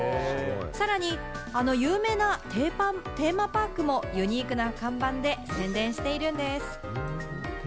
さらに、あの有名なテーマパークもユニークな看板で宣伝しているんです。